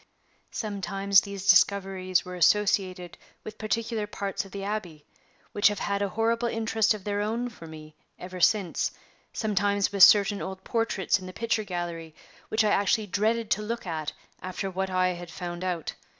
Sometimes these discoveries were associated with particular parts of the Abbey, which have had a horrible interest of their own for me ever since; sometimes with certain old portraits in the picture gallery, which I actually dreaded to look at after what I had found out.